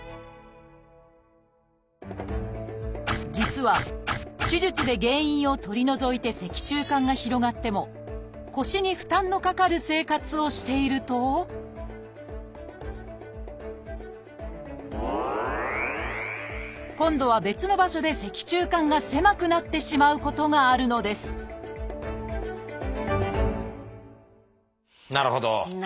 実は手術で原因を取り除いて脊柱管が広がっても腰に負担のかかる生活をしていると今度は別の場所で脊柱管が狭くなってしまうことがあるのですなるほど！